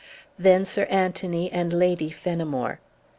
Then Sir Anthony and Lady Fenimore.